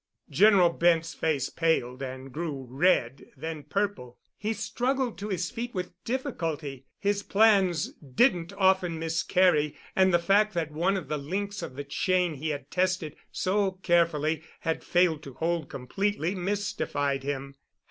General Bent's face paled and grew red, then purple. He struggled to his feet with difficulty. His plans didn't often miscarry, and the fact that one of the links of the chain he had tested so carefully had failed to hold completely mystified him.